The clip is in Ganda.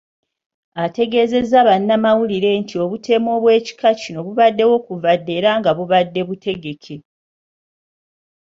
Ategeezezza bannamawulire nti obutemu obw’ekika kino bubaddewo okuva dda era nga bubadde butegeke.